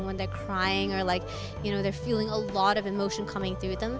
ketika mereka menangis atau mereka merasakan banyak emosi yang mengembangkan mereka